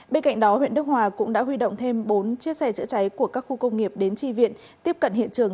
bên cạnh đó huyện đức hòa cũng đã huy động thêm bốn chiếc xe chữa cháy của các khu công nghiệp đến tri viện